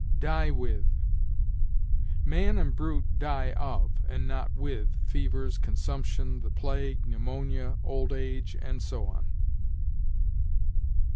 DIE WITH. Man and brute die of, and not with, fevers, consumption, the plague, pneumonia, old age, and so on.